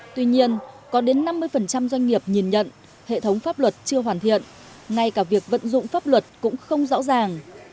tuy nhiên có đến năm mươi doanh nghiệp nhìn nhận hệ thống pháp luật chưa hoàn thiện ngay cả việc vận dụng pháp luật cũng không rõ ràng